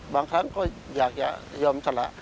บางครั้งก็อยากจะยอมสละ